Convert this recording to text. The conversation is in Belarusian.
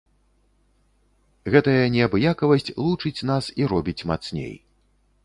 Гэтая неабыякавасць лучыць нас і робіць мацней.